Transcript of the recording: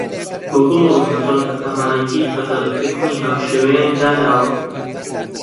گۆگڵ و ئەمازۆن بە هەماهەنگی قەدەغەکردنی هاوشێوەیان داناوە.